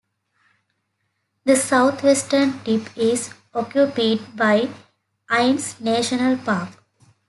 The south-western tip is occupied by Innes National Park.